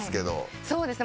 そうですね。